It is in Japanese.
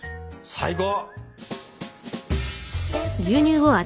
最高！